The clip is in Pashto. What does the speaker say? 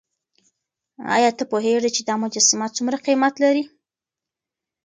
ایا ته پوهېږې چې دا مجسمه څومره قیمت لري؟